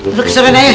duduk kesana ya ayah